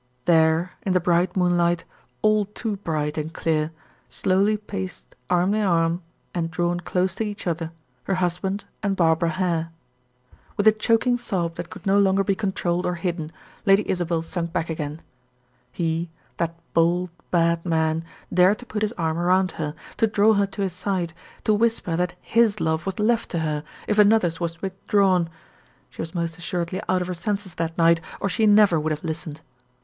There, in the bright moonlight, all too bright and clear, slowly paced arm in arm, and drawn close to each other, her husband and Barbara Hare. With a choking sob that could no longer be controlled or hidden, Lady Isabel sunk back again. He, that bold, bad man, dared to put his arm around her, to draw her to his side; to whisper that his love was left to her, if another's was withdrawn. She was most assuredly out of her senses that night, or she never would have listened.